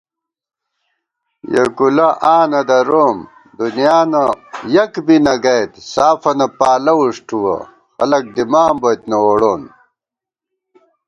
یېکُولہ آں نہ دَروم، دُنیا نہ یک بی نہ گئیت * سافَنہ پالہ وُݭٹُوَہ، خلَک دِمان بوئیت نہ ووڑون